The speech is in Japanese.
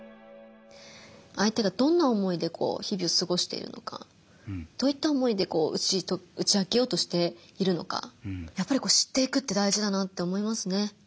相手がどんな思いでこう日々を過ごしているのかどういった思いでこう打ち明けようとしているのかやっぱり知っていくって大事だなって思いますね。